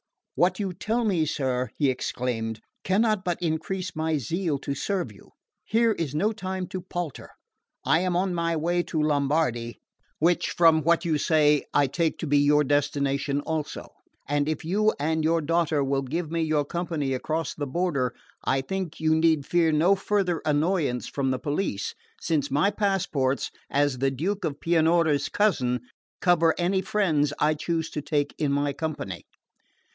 "What you tell me sir," he exclaimed, "cannot but increase my zeal to serve you. Here is no time to palter. I am on my way to Lombardy, which, from what you say, I take to be your destination also; and if you and your daughter will give me your company across the border I think you need fear no farther annoyance from the police, since my passports, as the Duke of Pianura's cousin, cover any friends I choose to take in my company."